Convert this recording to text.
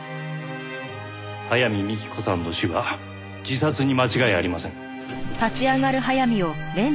早見幹子さんの死は自殺に間違いありません。